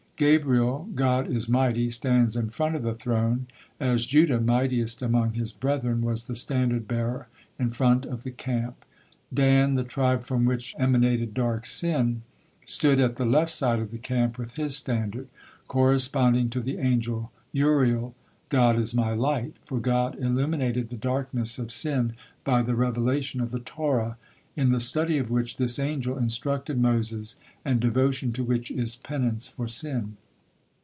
Gabriel, "God is mighty," stands in front of the Throne, as Judah, "mightiest among his brethren," was the standard bearer in front of the camp. Dan, the tribe "from which emanated dark sin," stood at the left side of the camp with his standard, corresponding to the angel Uriel, "God is my light," for God illuminated the darkness of sin by the revelation of the Torah, in the study of which this angel instructed Moses, and devotion to which is penance for sin.